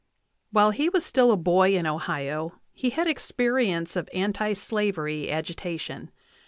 While he was still a boy in Ohio he had experience of anti slavery agitation.